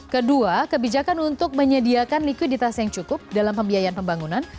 kedua kebijakan untuk menyediakan likuiditas yang cukup dalam pembiayaan pembangunan